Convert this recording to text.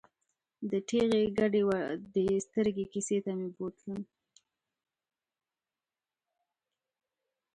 د ټېغې ګډې ودې سترګې کیسې ته مې بوتلم.